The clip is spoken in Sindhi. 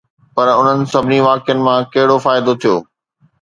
پر انهن سڀني واقعن مان ڪهڙو فائدو ٿيو؟